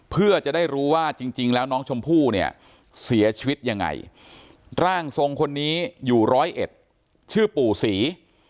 เพื่อจะได้รู้ว่าจริงแล้วน้องชมพู่เนี่ยเสียชีวิตยังไงร่างทรงคนนี้อยู่ร้อยเอ็ดชื่อปู่ศรี